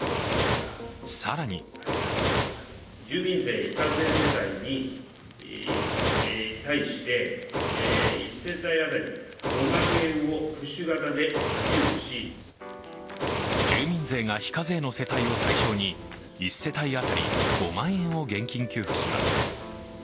更に住民税が非課税の世帯を対象に１世帯当たり５万円を現金給付します。